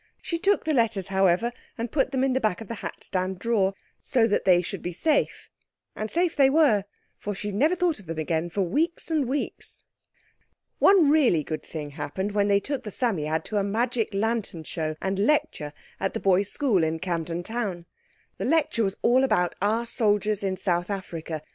She took in the letters, however, and put them in the back of the hat stand drawer, so that they should be safe. And safe they were, for she never thought of them again for weeks and weeks. One really good thing happened when they took the Psammead to a magic lantern show and lecture at the boys' school at Camden Town. The lecture was all about our soldiers in South Africa.